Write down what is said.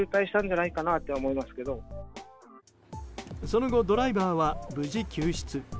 その後、ドライバーは無事救出。